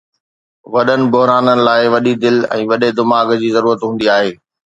وڏن بحرانن لاءِ وڏي دل ۽ وڏي دماغ جي ضرورت هوندي آهي.